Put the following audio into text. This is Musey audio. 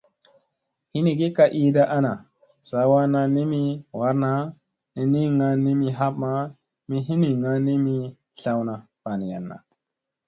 Hingi ka iiɗa ana, saa wanna ni mi waarna ni niŋga ni mi hapma mi hiniŋga ni mi tlawna ɓanayanna.